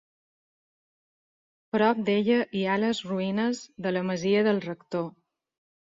Prop d'ella hi ha les ruïnes de la Masia del Rector.